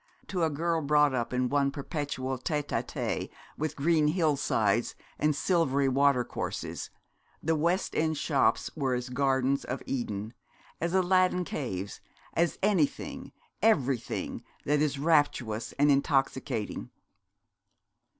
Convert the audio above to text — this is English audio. To a girl brought up in one perpetual tête à tête with green hill sides and silvery watercourses, the West End shops were as gardens of Eden, as Aladdin Caves, as anything, everything that is rapturous and intoxicating.